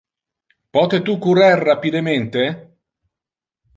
Pote tu currer rapidemente?